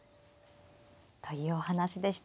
というお話でした。